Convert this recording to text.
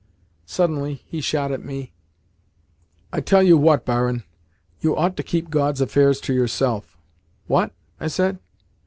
Suddenly he shot at me: "I tell you what, barin. You ought to keep God's affairs to yourself." "What?" I said.